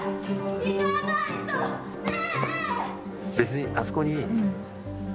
行かないとねえ！